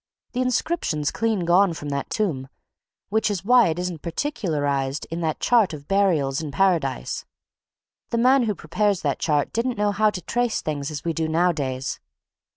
The inscription's clean gone from that tomb which is why it isn't particularized in that chart of burials in Paradise the man who prepared that chart didn't know how to trace things as we do nowadays.